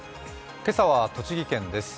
今朝は栃木県です